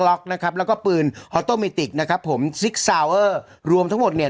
แล้วก็ปืนนะครับผมรวมทั้งหมดเนี่ย